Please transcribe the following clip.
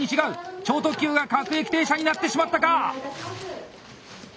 超特急が各駅停車になってしまったか